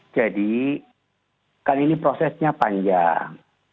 jadi kan ini prosesnya panjang